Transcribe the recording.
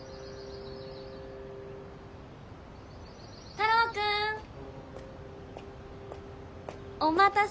・太郎くん。お待たせ。